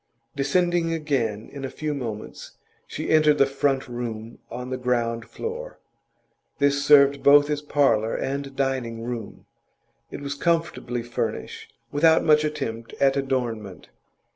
Descending again in a few moments, she entered the front room on the ground floor. This served both as parlour and dining room; it was comfortably furnished, without much attempt at adornment.